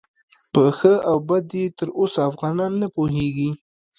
په ښه او بد یې تر اوسه افغانان نه پوهیږي.